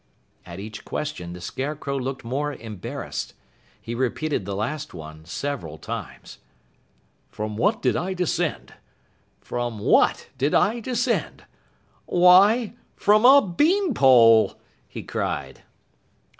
At each question, the Scarecrow looked more embarrassed. He repeated the last one several times. "From what did I descend? From what did I descend? Why, from a bean pole!" he cried.